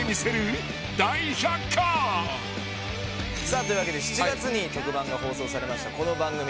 さあというわけで７月に特番が放送されましたこの番組。